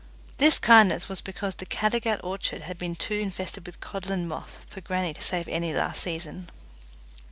This kindness was because the Caddagat orchard had been too infested with codlin moth for grannie to save any last season.